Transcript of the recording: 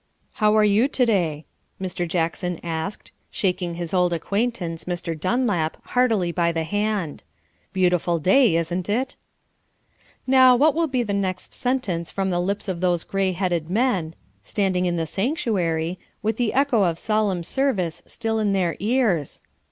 "How are you to day?" Mr. Jackson asked, shaking his old acquaintance, Mr. Dunlap, heartily by the hand. "Beautiful day, isn't it?" Now, what will be the next sentence from the lips of those gray headed men, standing in the sanctuary, with the echo of solemn service still in their ears?